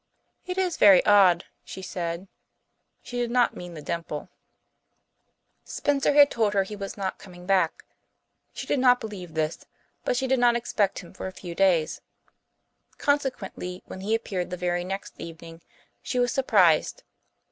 "It is very odd," she said. She did not mean the dimple. Spencer had told her he was not coming back. She did not believe this, but she did not expect him for a few days. Consequently, when he appeared the very next evening she was surprised.